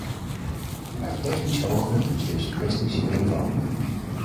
Vanuit technisch oogpunt is deze kwestie zeer eenvoudig.